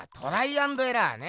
アンドエラーね！